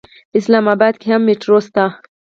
اسلام اباد کې هم میټرو شته.